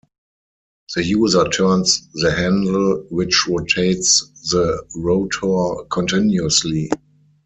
The user turns the handle, which rotates the rotor continuously.